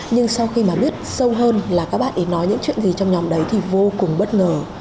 nhưng sau khi mà biết sâu hơn là các bạn ấy nói những chuyện gì trong nhóm đấy thì vô cùng bất ngờ